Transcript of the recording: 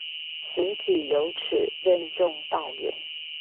行己有恥，任重道遠